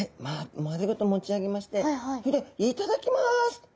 丸ごと持ち上げましてそれで頂きます。